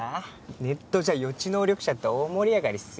ネットじゃ予知能力者って大盛り上がりっすよ。